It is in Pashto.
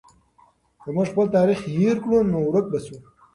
که موږ خپل تاریخ هېر کړو نو ورک به سو.